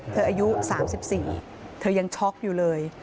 อายุ๓๔เธอยังช็อกอยู่เลย